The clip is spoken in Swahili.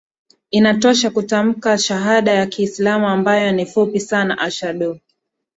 inatosha kutamka shahada ya Kiislamu ambayo ni fupi sana Ashaddu